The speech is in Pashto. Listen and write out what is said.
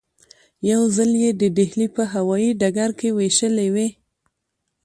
یو ځل یې د ډیلي په هوايي ډګر کې وېشلې وې.